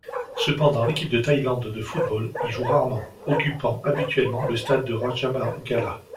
Cependant l'équipe de Thaïlande de football y joue rarement, occupant habituellement le stade Rajamangala.